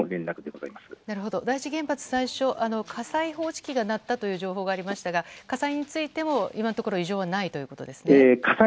福島第一原発で最初火災報知機が鳴ったという情報がありましたが火災についても今のところは異常がないということですか。